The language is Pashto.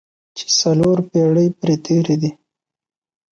چې څلور پېړۍ پرې تېرې دي.